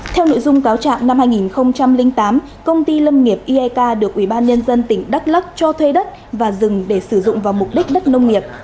theo nội dung cáo trạng năm hai nghìn tám công ty lâm nghiệp iek được ủy ban nhân dân tỉnh đắk lắc cho thuê đất và rừng để sử dụng vào mục đích đất nông nghiệp